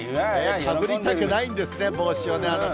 かぶりたくないんですね、帽子をね。